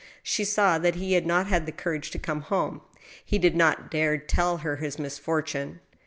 She saw that he had not had the courage to come home. He did not dare to tell her his misfortune.